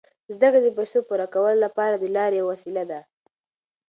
زده کړه د پیسو پوره کولو لپاره د لارې یوه وسیله ده.